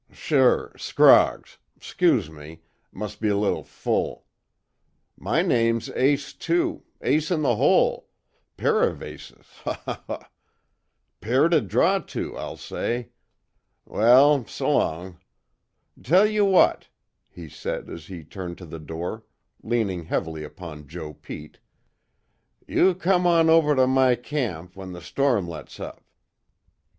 "Sure Scroggs 'scuse me mus' be little full. My name's Ace, too Ace In The Hole pair of aces, haw, haw, haw! Pair to draw to, I'll say. Well, s'long. Tell you what," he said, as he turned to the door, leaning heavily upon Joe Pete, "You come on over to my camp, when the storm lets up.